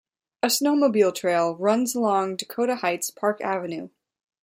A snowmobile trail runs along Dakota Heights' Park Avenue.